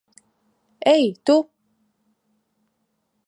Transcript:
Ei, tu!